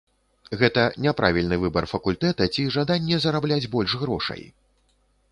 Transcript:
Гэта няправільны выбар факультэта, ці жаданне зарабляць больш грошай?